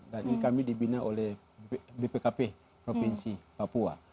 dan ini kami dibina oleh bpkp provinsi papua